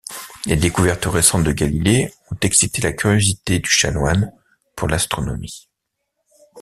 Les découvertes récentes de Galilée ont excité la curiosité du chanoine pour l'astronomie.